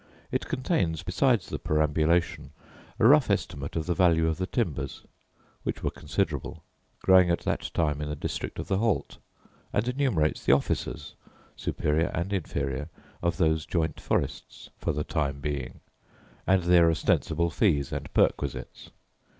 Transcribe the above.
It contains, besides the perambulation, a rough estimate of the value of the timbers, which were considerable, growing at that time in the district of the Halt; and enumerates the officers, superior and inferior, of those joint forests, for the time being, and their ostensible fees and perquisites.